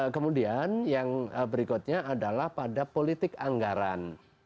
kemudian yang berikutnya adalah pada politik anggaran